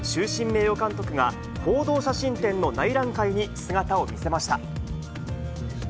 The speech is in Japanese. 名誉監督が、報道写真展の内覧会に姿を見せました。